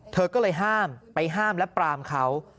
เธอก็เลยห้ามไปห้ามและปรามเขา